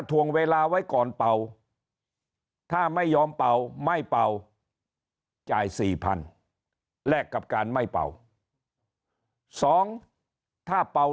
ถ้าไม่ยอมเป่าไม่เป่าจ่าย๔๐๐๐แรกกับการไม่เป่า๒ถ้าเป่า